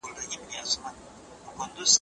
د ماهیانو سوې خوراک مرګ دي په خوا دی